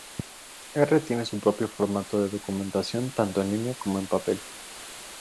R tiene su propio formato de documentación tanto en línea como en papel.